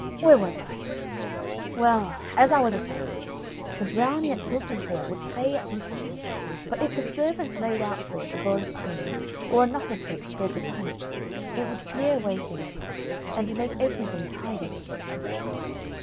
Where was I? Well, as I was a saying, the Brownie at Hilton Hall would play at mischief, but if the servants laid out for it a bowl of cream, or a knuckle cake spread with honey, it would clear away things for them, and make everything tidy in the kitchen.